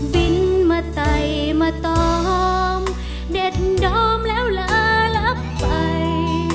บินมาไตมาตองเด็ดดอมแล้วลารับไป